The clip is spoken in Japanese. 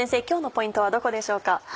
今日のポイントはどこでしょうか？